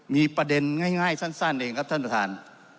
มีประเด็นง่ายสั้นเองครับท่านประธาน